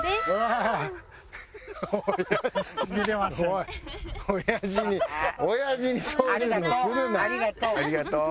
ありがとう。